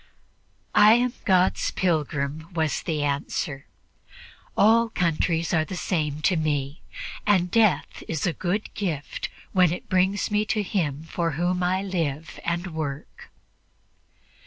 "I am God's pilgrim," was the answer; "all countries are the same to me, and death is a good gift when it brings me to Him for whom I live and work."